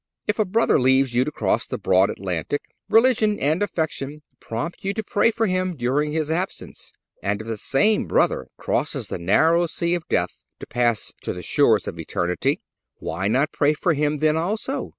If a brother leaves you to cross the broad Atlantic, religion and affection prompt you to pray for him during his absence. And if the same brother crosses the narrow sea of death to pass to the shores of eternity, why not pray for him then also?